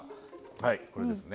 はいこれですね。